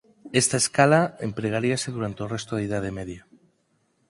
Esta escala empregaríase durante o resto da Idade Media.